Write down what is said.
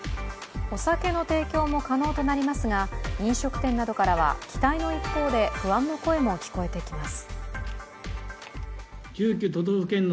お酒の提供も可能となりますが、飲食店などからは期待の一方で不安の声も聞こえてきます。